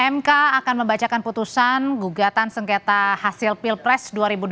mk akan membacakan putusan gugatan sengketa hasil pilpres dua ribu dua puluh